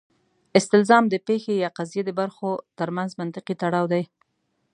استلزام د پېښې یا قضیې د برخو ترمنځ منطقي تړاو دی.